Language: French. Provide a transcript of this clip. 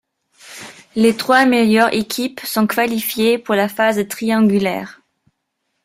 Les trois meilleures équipes sont qualifiées pour la phase triangulaire.